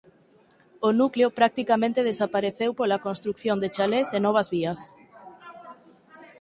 O núcleo practicamente desapareceu pola construción de chalés e novas vías.